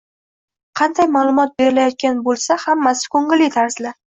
qanday ma’lumot berilayotgan bo’lsa hammasi ko’ngilli tarzda